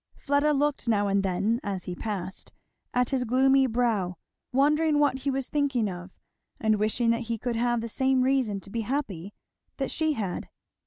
Fleda looked now and then as he passed at his gloomy brow, wondering what he was thinking of, and wishing that he could have the same reason to be happy that she had.